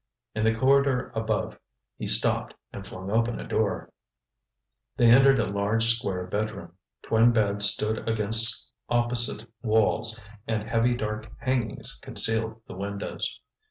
In the corridor above, he stopped and flung open a door. They entered a large, square bedroom. Twin beds stood against opposite walls, and heavy dark hangings concealed the windows.